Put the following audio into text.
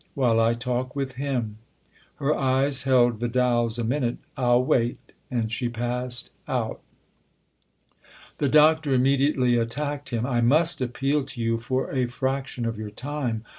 " While I talk with him.' " Her eyes held Vidal's a minute. "I'll wait." And she passed out. The Doctor immediately attacked him. " I must appeal to you for a fraction of your time.